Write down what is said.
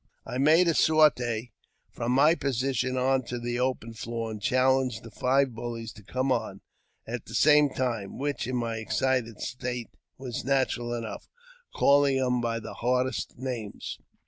I made a sortie from my position on to the open floor, and challenged the five bullies to come on ; at the same time (which, in my excited state, was natural enough) calling them by the hardest names.